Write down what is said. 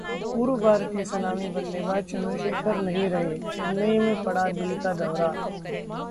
पूर्व भारतीय सलामी बल्लेबाज चंद्रशेखर नहीं रहे, चेन्नई में पड़ा दिल का दौरा